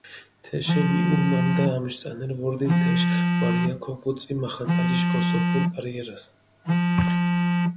თეშენ იჸუ, ნამდა ამშვ წანერი ვორდინ თეშ ვარია ქოვუწი მახანტალიშ გოსოფურ კარიერას.